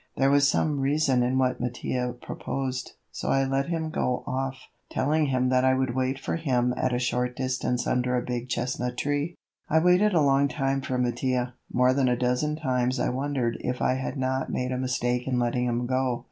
There was some reason in what Mattia proposed, so I let him go off, telling him that I would wait for him at a short distance under a big chestnut tree. I waited a long time for Mattia. More than a dozen times I wondered if I had not made a mistake in letting him go.